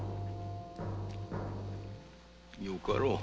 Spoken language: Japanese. よかろう！